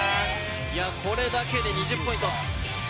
いやこれだけで２０ポイント。